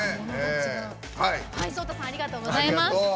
ＳＯＴＡさんありがとうございます。